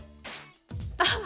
あっ！